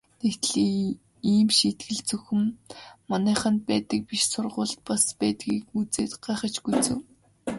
Тэгтэл ийм шийтгэл зөвхөн манайханд байдаг биш сургуульд бас байдгийг үзээд гайхаж гүйцэв.